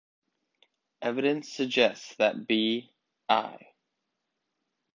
Evidence suggests that B.-I.